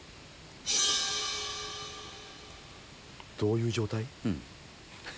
どういう状態？